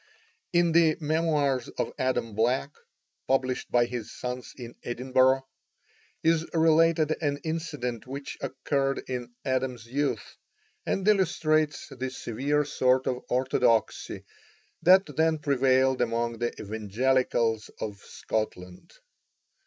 In the "Memoirs of Adam Black," published by his sons in Edinburgh, is related an incident which occurred in Adam's youth, and illustrates the severe sort of orthodoxy that then prevailed among the Evangelicals of Scotland.